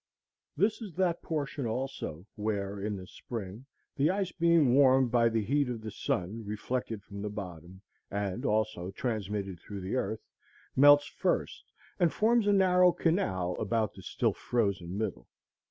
This is that portion, also, where in the spring, the ice being warmed by the heat of the sun reflected from the bottom, and also transmitted through the earth, melts first and forms a narrow canal about the still frozen middle.